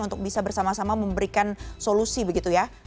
untuk bisa bersama sama memberikan solusi begitu ya